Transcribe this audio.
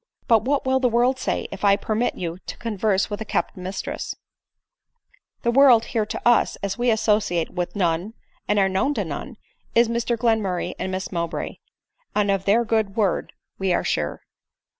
" But what will the world say, if I permit you to con « verse with a kept mistress ?"" The world here to us, as we associate with none and are known to none, is Mr Glenmurray and Miss Mow bray ;• and of their good word we are sure."